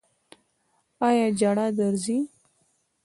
ایا ژړا درځي؟